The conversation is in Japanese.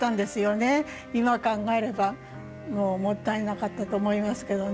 今考えればもったいなかったと思いますけどね。